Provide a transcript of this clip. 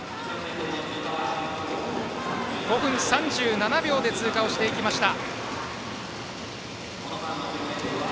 ５分３７秒で通過しました。